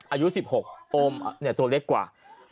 อายุ๑๖โอมตัวเล็กกว่า